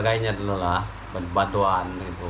iwannya dulu lah bantuan gitu